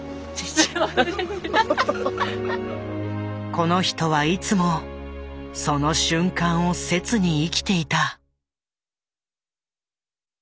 この人はいつもその瞬間を切に生きていた。